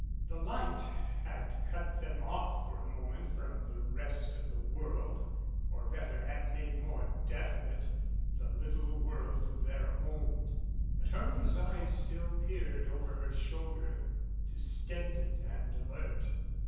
The light had cut them off for a moment from the rest of the world, or rather had made more defi nite the little world of their own, but Hermia's eyes still peered over her shoulder, distended and alert.